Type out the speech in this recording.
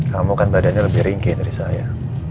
kamu kan badannya lebih rinci dari saya